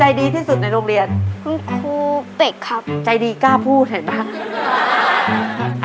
ดีที่สุดในโรงเรียนคุณครูเด็กครับใจดีกล้าพูดเห็นไหมครับ